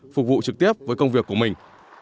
phục vụ trực tiếp với công việc của mình